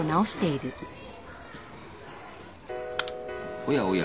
おやおや？